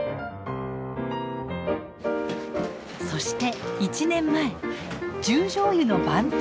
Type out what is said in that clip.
そして１年前十條湯の番頭に。